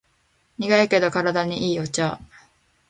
苦いけど体にいいお茶